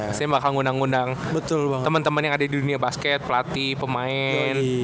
pastinya bakal ngundang ngundang temen temen yang ada di dunia basket pelatih pemain